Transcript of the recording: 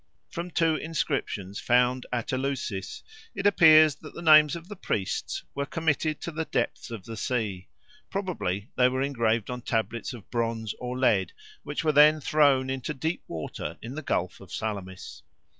From two inscriptions found at Eleusis it appears that the names of the priests were committed to the depths of the sea; probably they were engraved on tablets of bronze or lead, which were then thrown into deep water in the Gulf of Salamis.